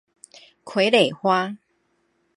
傀儡花